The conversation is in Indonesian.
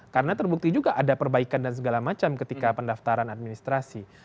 karena terbukti juga ada perbaikan dan segala macam ketika pendaftaran administrasi